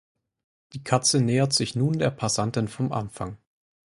Die Katze nähert sich nun der Passantin vom Anfang.